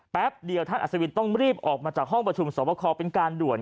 แป๊บเดียวท่านอัศวินต้องรีบออกมาจากห้องประชุมสอบคอเป็นการด่วน